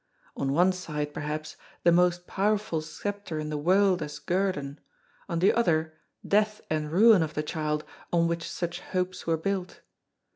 On one side perhaps the most powerful sceptre in the world as guerdon; on the other death and ruin of the child on which such hopes were built.